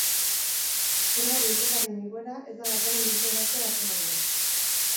Zerga bilketaren igoera ez da datorren urterarte antzemango.